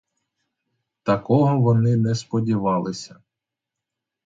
Такого вони не сподівалися.